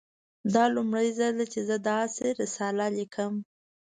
دا لومړی ځل دی چې زه داسې رساله لیکم